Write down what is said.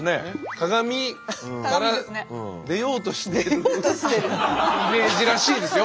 鏡から出ようとしてるイメージらしいですよ。